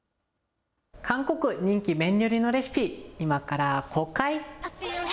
韓国人気麺料理のレシピ、今から公開。